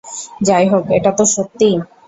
যাই হোক, এটা তো সত্যি।